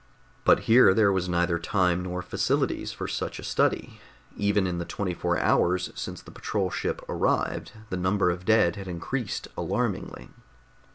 But here there was neither time nor facilities for such a study. Even in the twenty four hours since the patrol ship arrived, the number of dead had increased alarmingly.